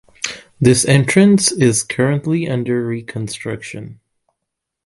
This entrance is currently under reconstruction.